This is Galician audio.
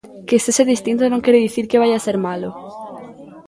Que sexa distinto non quere dicir que vaia ser malo.